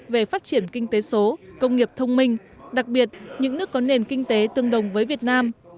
về phát triển kinh tế số công nghiệp thông minh đặc biệt những nước có nền kinh tế tương đồng với việt nam